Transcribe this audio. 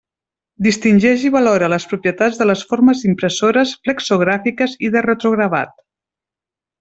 Distingeix i valora les propietats de les formes impressores flexogràfiques i de rotogravat.